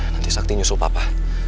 nanti sakti nyusul papa